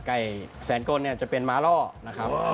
ไก่แสนกลจะเป็นมะล่อนะครับ